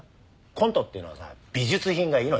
コントっていうのはさ美術品が命。